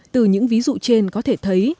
từ những ví dụ trên có thể thấy